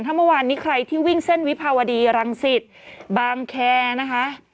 ถ้าเมื่อวานนี้ใครที่วิ่งเส้นวิภาวดีรังสิตบางแคร์นะคะ